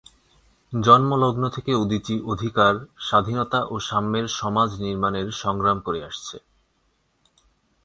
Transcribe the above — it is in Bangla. জন্মলগ্ন থেকে উদীচী অধিকার, স্বাধীনতা ও সাম্যের সমাজ নির্মাণের সংগ্রাম করে আসছে।